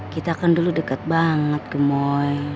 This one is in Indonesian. kita kan dulu dekat banget gemoy